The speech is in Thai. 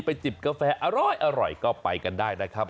จิบกาแฟอร่อยก็ไปกันได้นะครับ